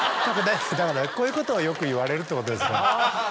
だからこういうことをよく言われるってことですよね。